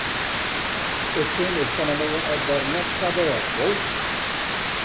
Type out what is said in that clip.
It sin is fan 'e moarn ek wer net sa bêst, wol?